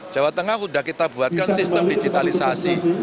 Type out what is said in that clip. jawa tengah sudah kita buatkan sistem digitalisasi